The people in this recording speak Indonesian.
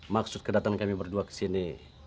maksud kedatangan kami berdua kesini